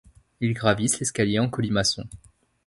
Ils gravissent l’escalier en colimaçon.